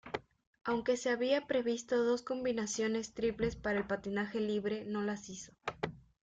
Aunque se había previsto dos combinaciones triples para el patinaje libre, no las hizo.